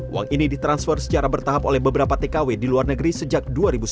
uang ini ditransfer secara bertahap oleh beberapa tkw di luar negeri sejak dua ribu sepuluh